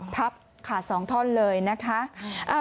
ครับขาดสองท่อนเลยนะคะ